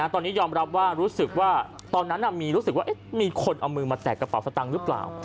ตอนนี้ยอมรับว่ารู้สึกว่าตอนนั้นมีรู้สึกว่ามีคนเอามือมาแตะกระเป๋าสตังค์หรือเปล่า